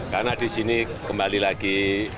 karena di sini kembali lagi